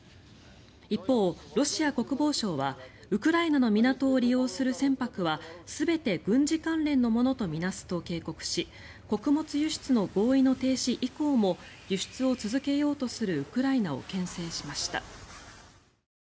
一方、ロシア国防省はウクライナの港を利用する船舶は全て軍事関連のものと見なすと警告し穀物輸出の合意の停止以降も輸出を続けようとするウクライナをけん制しました。